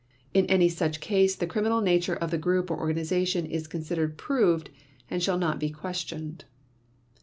In any such case the criminal nature of the group or organization is considered proved and shall not be questioned."